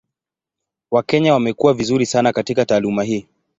Wakenya wamekuwa vizuri sana katika taaluma hii.